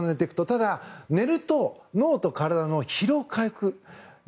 ただ、寝ると脳と体の疲労回復。